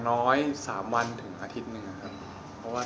ก็น้อยก็๓สัปดาห์ถึงสัปดาห์อพหนาดิน